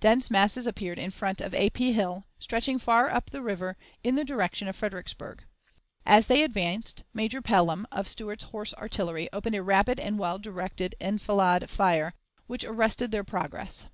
Dense masses appeared in front of A. P. Hill, stretching far up the river in the direction of Fredericksburg. As they advanced, Major Pellham, of Stuart's horse artillery, opened a rapid and well directed enfilade fire, which arrested their progress.